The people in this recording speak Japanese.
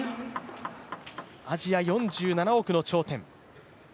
アジア４７億の頂点。